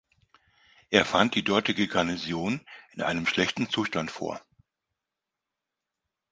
Er fand die dortige Garnison in einem schlechten Zustand vor.